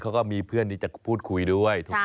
เขาก็มีเพื่อนที่จะพูดคุยด้วยถูกไหม